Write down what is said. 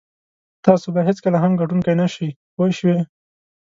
تاسو به هېڅکله هم ګټونکی نه شئ پوه شوې!.